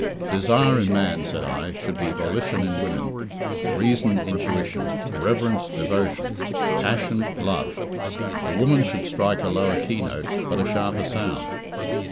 "Desire in man," said I, "should be Volition in women: Reason, Intuition; Reverence, Devotion; Passion, Love. The woman should strike a lower key note, but a sharper sound.